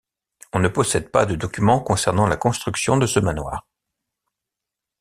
On ne possède pas de documents concernant la construction de ce manoir.